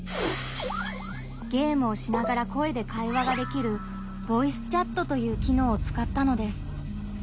ゲームをしながら声で会話ができるボイスチャットという機能をつかったのです。